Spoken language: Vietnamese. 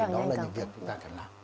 đó là những việc chúng ta cần làm